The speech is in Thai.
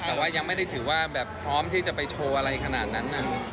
แต่ว่ายังไม่ได้ถือว่าแบบพร้อมที่จะไปโชว์อะไรขนาดนั้น